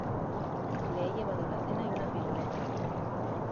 le he llevado la cena y una piruleta.